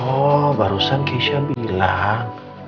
oh barusan keisha bilang